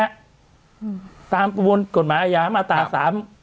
อืมตามประมวลกฎหมายอาญามาตราสาม